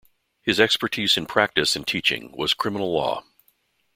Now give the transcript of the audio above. His expertise in practice and teaching was criminal law.